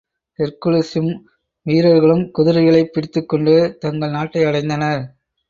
ஹெர்க்குலிஸும், வீரர்களும் குதிரைகளைப் பிடித்துக்கொண்டு, தங்கள் நாட்டை அடைந்தனர்.